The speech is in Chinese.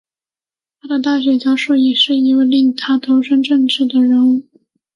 他的大学教授也是一位令他投身政治的人物。